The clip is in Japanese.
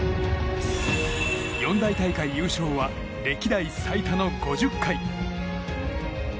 四大大会優勝は歴代最多の５０回優勝。